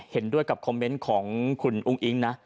เห็นด้วยกับคอมเมนต์ของคุณอุ้งอิ๊งนะ